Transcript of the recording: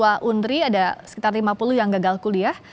ada unri ada sekitar lima puluh yang gagal kuliah